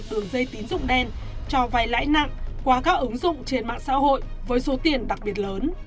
đường dây tín dụng đen cho vay lãi nặng qua các ứng dụng trên mạng xã hội với số tiền đặc biệt lớn